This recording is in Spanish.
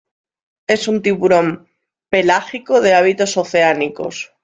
Es un tiburón pelágico de hábitos oceánicos.